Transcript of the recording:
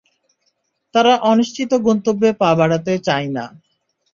তারা অনিশ্চিত গন্তব্যে পা বাড়াতে চায় না!